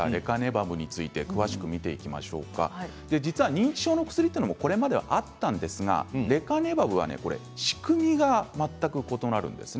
認知症の薬というのはこれまでもあったんですがレカネマブは仕組みが全く異なります。